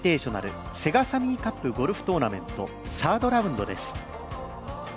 セガサミーカップゴルフトーナメントサードラウンドです。